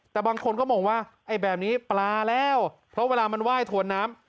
แต่บางคนก็มองว่าไอ้แบบนี้ปลาแล้วเพราะเวลามันไหว้ถวนน้ำ